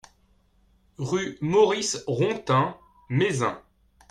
Rue Maurice Rontin, Mézin